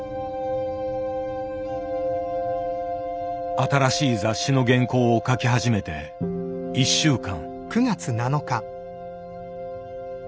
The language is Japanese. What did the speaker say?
新しい雑誌の原稿を書き始めて１週間。